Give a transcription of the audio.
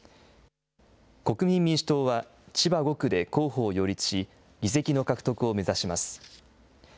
国民民主党は、千葉５区で候補を擁立し、議席の獲得を目指します。